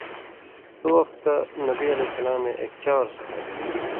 ݜُو وختہ نبی علیہ سلامے اېک چاور صحابی